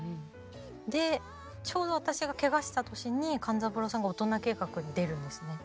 でちょうど私がけがした年に勘三郎さんが「大人計画」に出るんですね